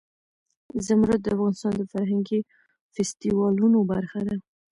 زمرد د افغانستان د فرهنګي فستیوالونو برخه ده.